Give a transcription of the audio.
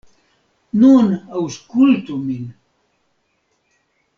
Nun aŭskultu min.